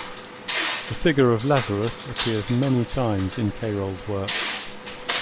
The figure of Lazarus appears many times in Cayrol's work.